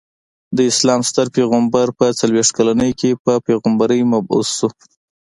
د اسلام ستر پيغمبر په څلويښت کلني کي په پيغمبری مبعوث سو.